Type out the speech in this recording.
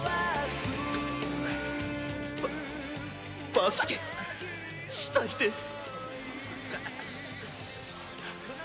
バスケがしたいです。